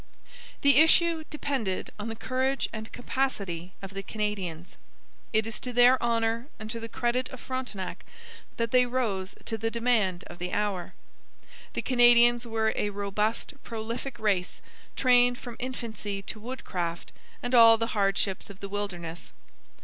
The issue depended on the courage and capacity of the Canadians. It is to their honour and to the credit of Frontenac that they rose to the demand of the hour. The Canadians were a robust, prolific race, trained from infancy to woodcraft and all the hardships of the wilderness.